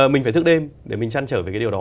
mình phải thức đêm để mình chăn trở về cái điều đó